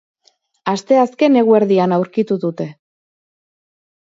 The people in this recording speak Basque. Asteazken eguerdian aurkitu dute.